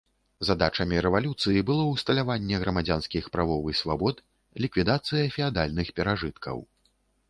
Задачамі рэвалюцыі было ўсталяванне грамадзянскіх правоў і свабод, ліквідацыя феадальных перажыткаў.